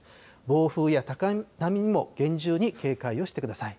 暴風や高波にも厳重に警戒をしてください。